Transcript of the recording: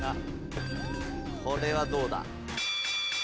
これはどうだ？